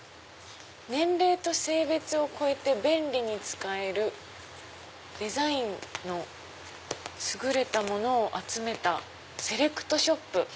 「年齢と性別をこえて便利に使えるデザインのすぐれたモノをあつめたセレクトショップ」。